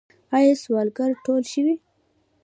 آیا سوالګر ټول شوي؟